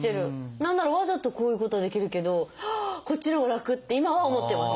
何ならわざとこういうことはできるけどこっちのほうが楽！って今は思ってます。